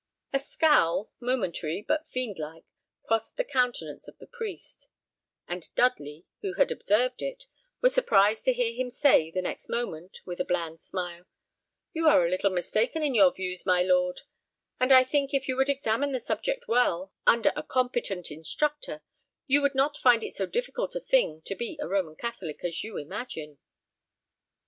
A scowl, momentary, but fiend like, crossed the countenance of the priest; and Dudley, who had observed it, was surprised to hear him say, the next moment, with a bland smile, "You are a little mistaken in your views, my lord; and I think if you would examine the subject well, under a competent instructor, you would not find it so difficult a thing to be a Roman Catholic as you imagine."